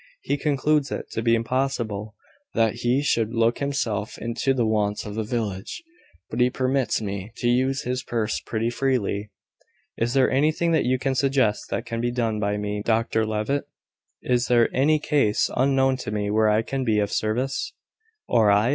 He concludes it to be impossible that he should look himself into the wants of the village; but he permits me to use his purse pretty freely. Is there anything that you can suggest that can be done by me, Dr Levitt? Is there any case unknown to me where I can be of service?" "Or I?"